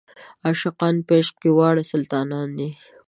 عاشقان په عشق کې واړه سلطانان دي.